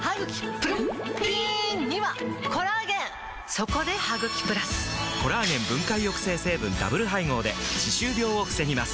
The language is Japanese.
そこで「ハグキプラス」！コラーゲン分解抑制成分ダブル配合で歯周病を防ぎます